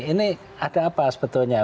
ini ada apa sebetulnya